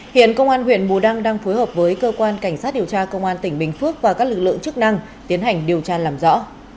hiện công an huyện bù đăng đang phối hợp với cơ quan cảnh sát điều tra công an tỉnh bình phước và các lực lượng chức năng tiến hành điều tra làm rõ